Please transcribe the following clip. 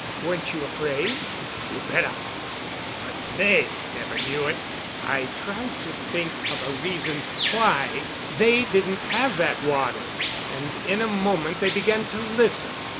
"Weren't you afraid?" "You bet I was. But they never knew it. I tried to think of a reason why they didn't have that water, and in a moment they began to listen.